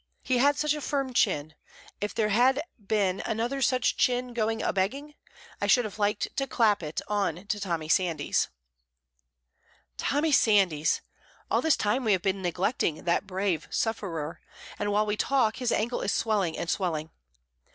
He had such a firm chin, if there had been another such chin going a begging, I should have liked to clap it on to Tommy Sandys. Tommy Sandys! All this time we have been neglecting that brave sufferer, and while we talk his ankle is swelling and swelling.